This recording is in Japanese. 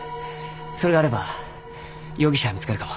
それがあれば容疑者見つかるかも。